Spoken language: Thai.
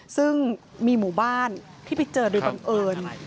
ซึ่งมีหมู่บ้านที่ไปเจอโดยบังเอิญ